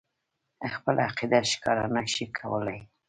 خپله عقیده ښکاره نه شي کولای.